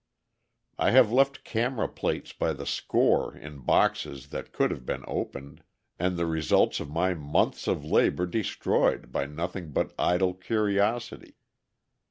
I have left camera plates by the score in boxes that could have been opened, and the results of my months of labor destroyed by nothing but idle curiosity.